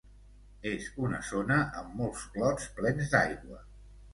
És una zona amb molts clots plens d'aigua.